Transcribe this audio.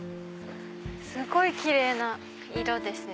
すごいキレイな色ですね。